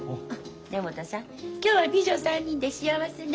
根本さん今日は美女３人で幸せね。